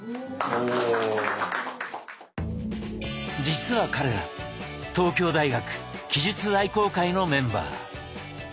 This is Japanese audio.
実は彼ら東京大学奇術愛好会のメンバー。